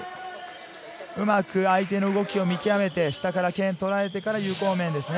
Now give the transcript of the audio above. うまく相手の動きを見極めて、下から剣をとらえてから、有効面ですね。